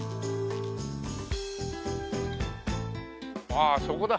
ああそこだ。